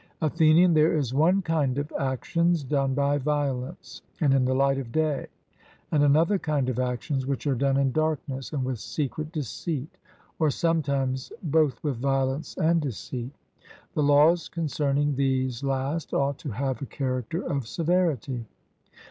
ATHENIAN: There is one kind of actions done by violence and in the light of day, and another kind of actions which are done in darkness and with secret deceit, or sometimes both with violence and deceit; the laws concerning these last ought to have a character of severity.